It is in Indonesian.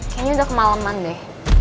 kayaknya udah kemaleman deh